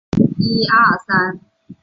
布克托人口变化图示